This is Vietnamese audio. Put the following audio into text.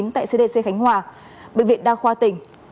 tại cdc khánh hòa bệnh viện đa khoa tỉnh